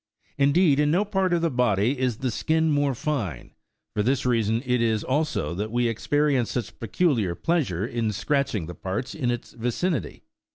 71 indeed, in no part of the body is the skin more fine ; for this reason it is, also, that we experience such peculiar pleasure in scratching the parts in its vicinity.